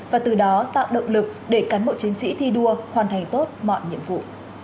và từ đó tạo động lực để cán bộ chiến sĩ thi đua hoàn thành tốt mọi nhiệm vụ